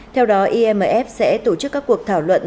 theo đó imf sẽ tổ chức các cuộc thảo luận